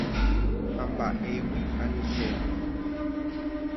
Ha mba'égui anichéne.